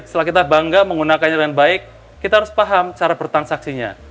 setelah kita bangga menggunakannya dengan baik kita harus paham cara bertransaksinya